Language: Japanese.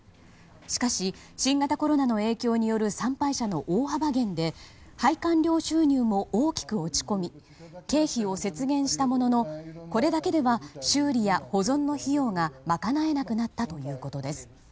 しかし新型コロナの影響による参拝者の大幅減で拝観料収入も大きく落ち込み経費を節減したもののこれだけでは修理や保存の費用が賄えなくなったということです。